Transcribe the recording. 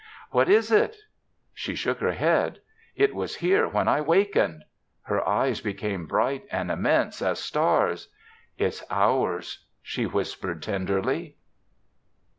"What is it?" She shook her head. "It was here when I wakened." Her eyes became bright and immense as stars. "It's our's," she whispered tenderly.